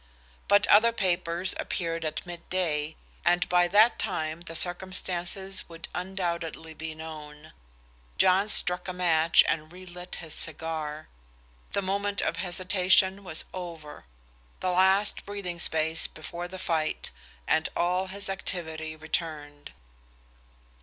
But other papers appeared at mid day, and by that time the circumstances would undoubtedly be known. John struck a match and relit his cigar. The moment of hesitation was over, the last breathing space before the fight, and all his activity returned.